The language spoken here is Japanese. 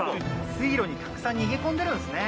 水路にたくさん逃げ込んでるんですね